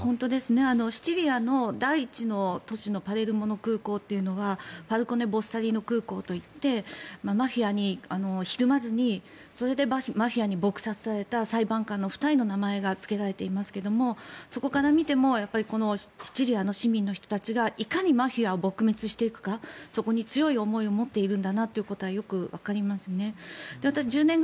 シチリアの第１の都市のパレルモの空港というのはファルコーネボルサリーノ空港といってマフィアにひるまずにそれでマフィアに撲殺された裁判官の２人の名前がつけられていますがそれを見てもシチリアの市民の人たちがいかにマフィアを撲滅させるかに強い執念を持っていることがわかりますね。